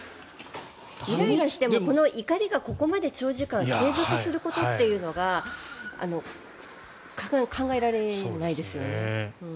イライラしても怒りが長時間継続するということが考えられないですよね。